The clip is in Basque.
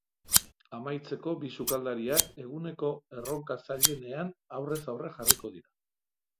Amaitzeko, bi sukaldariak eguneko erronka zailenean aurrez aurre jarriko dira.